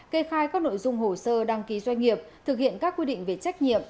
kê khai các nội dung hồ sơ đăng ký doanh nghiệp thực hiện các quy định về trách nhiệm